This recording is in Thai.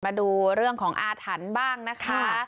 มาดูเรื่องของอาถรรพ์บ้างนะคะ